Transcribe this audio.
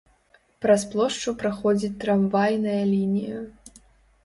Праз плошчу праходзіць трамвайная лінія.